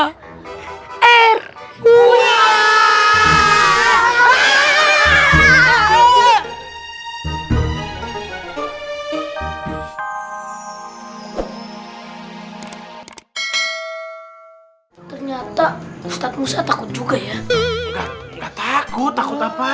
ternyata ustadz musa takut juga ya takut takut apa